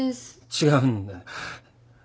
違うんだよ。